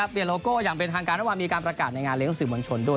โลโก้อย่างเป็นทางการระหว่างมีการประกาศในงานเลี้สื่อมวลชนด้วย